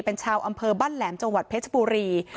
เป็นชาวอำเภอบ้านแหลมจังหวัดเพชรบุรี